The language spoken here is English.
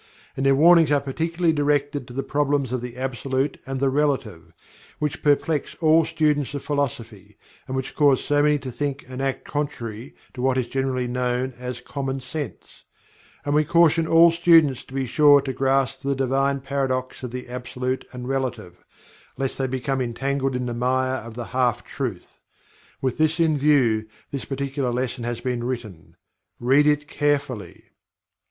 And their warnings are particularly directed to the problems of the Absolute and the Relative, which perplex all students of philosophy, and which cause so many to think and act contrary to what is generally known as "common sense." And we caution all students to be sure to grasp the Divine Paradox of the Absolute and Relative, lest they become entangled in the mire of the Half Truth. With this in view this particular lesson has been written. Read it carefully!